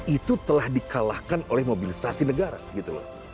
itu telah dikalahkan oleh mobilisasi negara